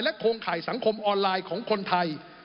โครงข่ายสังคมออนไลน์ของคนไทย